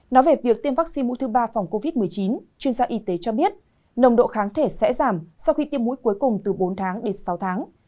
nói về việc tiêm vaccine mũi thứ ba phòng covid một mươi chín chuyên gia y tế cho biết nồng độ kháng thể sẽ giảm sau khi tiêm mũi cuối cùng từ bốn tháng đến sáu tháng